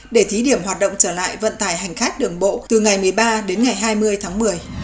để thí điểm hoạt động trở lại vận tài hành khách đường bộ từ ngày một mươi ba đến ngày hai mươi tháng một mươi